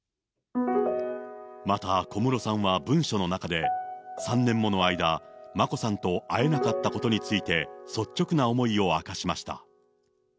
また小室さんは文書の中で、３年もの間、眞子さんと会えなかったことについて、率直な思いを明かしました。